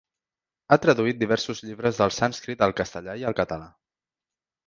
Ha traduït diversos llibres del sànscrit al castellà i al català.